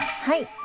はい。